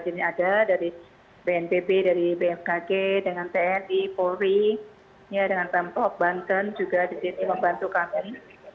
ini ada dari bnpb dari bmkg dengan tni polri dengan pemprov banten juga di sini membantu kami